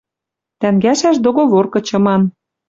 Тӓнгӓшӓш договор кычыман